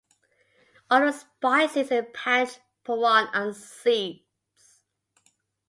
All of the spices in panch phoron are seeds.